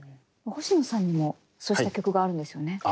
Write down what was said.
星野さんにもそうした曲があるんですよね？